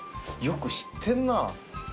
よく知ってんなぁ。